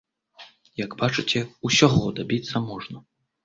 Як бачыце, усяго дабіцца можна.